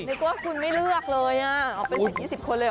นี่ก็คุณไม่เลือกเลยเป็นสิบยี่สิบคนเลยเหรอ